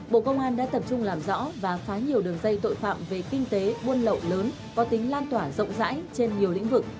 bộ công an đã tập trung làm rõ và phá nhiều đường dây tội phạm về kinh tế buôn lậu lớn có tính lan tỏa rộng rãi trên nhiều lĩnh vực